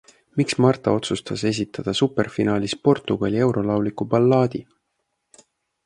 Miks Marta otsustas esitada superfinaalis Portugali eurolauliku ballaadi?